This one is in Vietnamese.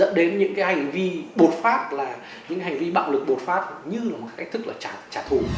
dẫn đến những hành vi bột phát những hành vi bạo lực bột phát như là một cách thức trả thù